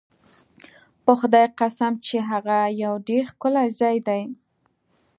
په خدای قسم چې هغه یو ډېر ښکلی ځای دی.